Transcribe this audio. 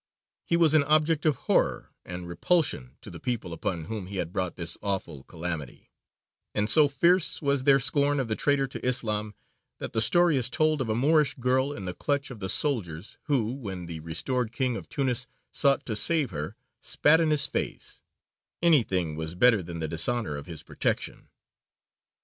He was an object of horror and repulsion to the people upon whom he had brought this awful calamity, and so fierce was their scorn of the traitor to Islam that the story is told of a Moorish girl in the clutch of the soldiers, who, when the restored King of Tunis sought to save her, spat in his face; anything was better than the dishonour of his protection.